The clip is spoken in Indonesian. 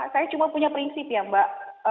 saya cuma punya prinsip ya mbak